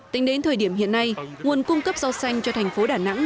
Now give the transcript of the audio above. tính đến thời điểm hiện nay nguồn cung cấp rau xanh cho thành phố đà nẵng